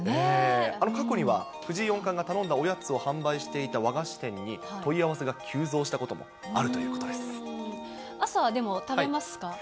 過去には藤井四冠が頼んだおやつを販売していた和菓子店に、問い合わせが急増したこともある朝、でも食べますか？